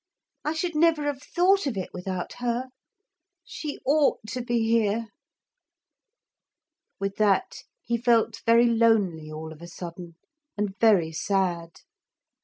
I should never have thought of it without her. She ought to be here,' he said. With that he felt very lonely, all of a sudden, and very sad.